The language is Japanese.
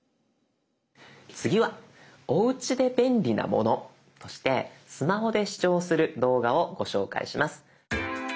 次はおうちで便利なものとしてスマホで視聴する動画をご紹介します。